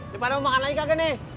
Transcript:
lu pada mau makan lagi kah geni